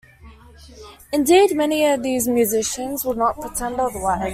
Indeed, many of these musicians would not pretend otherwise.